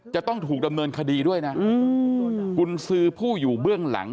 จะต้องถูกดำเนินคดีด้วยนะกุญสือผู้อยู่เบื้องหลัง